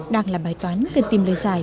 đang là bài toán kênh tìm lời giải